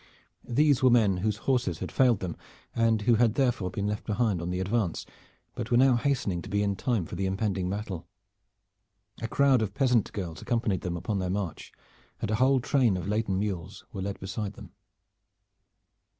These were men whose horses had failed them and who had therefore been left behind on the advance, but were now hastening to be in time for the impending battle. A crowd of peasant girls accompanied them upon their march, and a whole train of laden mules were led beside them.